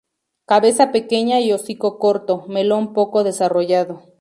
Cabeza pequeña y hocico corto; melón poco desarrollado.